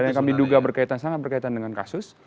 dan yang kami duga sangat berkaitan dengan kasus